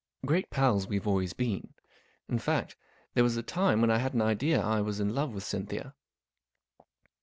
Great pals we've always been. In fact, there was a time when I had an idea I was in love with Cynthia.